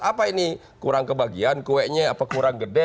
apa ini kurang kebagian kuenya apa kurang gede